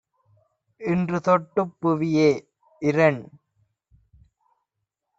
இன்றுதொட் டுப்புவியே - இரண்